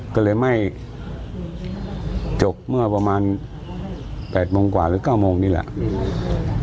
ก็เลยไม่จบเมื่อประมาณ๘โมงกว่าหรือ๙โมงนี่แหละ